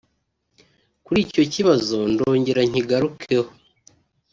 Kuli icyo kibazo ndongera nkigarukeho